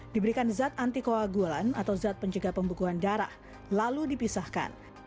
diberikan zat antikoagulan atau zat penjaga pembukuan darah lalu dipisahkan